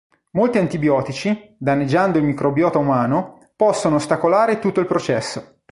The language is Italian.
Molti antibiotici, danneggiando il microbiota umano, possono ostacolare tutto il processo.